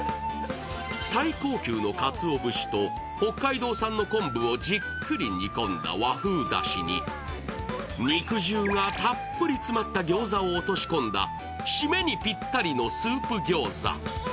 最高級のかつお節と、北海道産の昆布をじっくり煮込んだ和風だしに肉汁がたっぷり詰まった餃子を落とし込んだ締めにぴったりのスープ餃子。